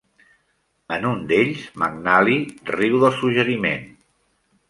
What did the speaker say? En un d'ells, McNally riu del suggeriment.